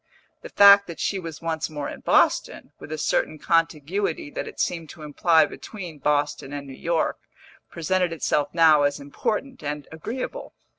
The fact that she was once more in Boston, with a certain contiguity that it seemed to imply between Boston and New York, presented itself now as important and agreeable.